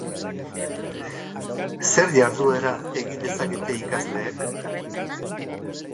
Zer jarduera egin dezakete ikasleek?